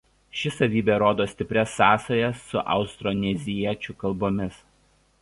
Ši savybė rodo stiprias sąsajas su austroneziečių kalbomis.